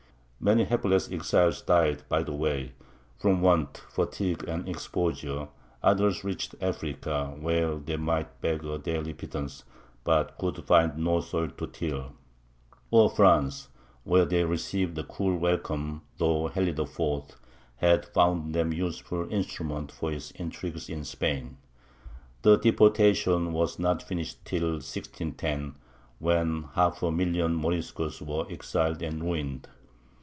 Many hapless exiles died by the way, from want, fatigue, and exposure; others reached Africa, where they might beg a daily pittance, but could find no soil to till; or France, where they received a cool welcome, though Henry IV. had found them useful instruments for his intrigues in Spain. The deportation was not finished till 1610, when half a million of Moriscos were exiled and ruined.